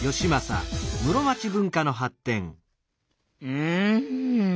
うん！